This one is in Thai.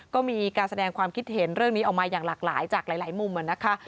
ก็มีการแสดงความคิดเห็นเรื่องนี้ออกมาอย่างหลากหลายจากหลายมุมนะคะ